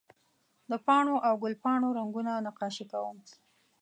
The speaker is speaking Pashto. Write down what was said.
د پاڼو او ګل پاڼو رګونه نقاشي کوم